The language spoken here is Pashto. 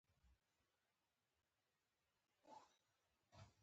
افغانستان په خپل طبیعي سمندر نه شتون باندې پوره او مستقیمه تکیه لري.